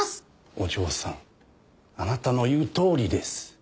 お嬢さんあなたの言うとおりです。